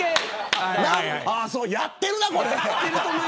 やっているなこれ。